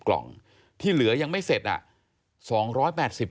ขอบคุณครับและขอบคุณครับ